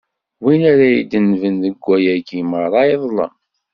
Win ara idenben deg wayagi meṛṛa, iḍlem.